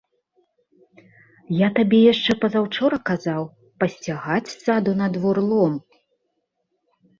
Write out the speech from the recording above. Я табе яшчэ пазаўчора казаў пасцягаць з саду на двор лом.